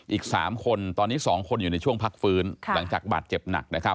อีก๓คนตอนนี้๒คนอยู่ในช่วงพักฟื้นหลังจากบาดเจ็บหนักนะครับ